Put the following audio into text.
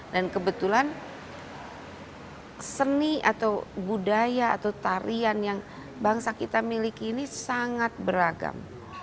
dan kebetulan seni atau budaya atau tarian yang bangsa kita miliki ini sangat beragam